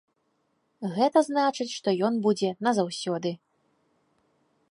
Гэта значыць, што ён будзе назаўсёды.